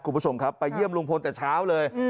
คุณผู้ชมครับไปเยี่ยมลุงพลแต่เช้าเลย